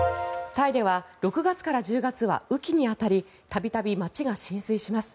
タイでは６月から１０月は雨期に当たり度々、街が浸水します。